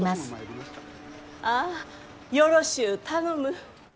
ああよろしゅう頼む。